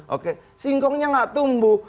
oke singkongnya gak tumbuh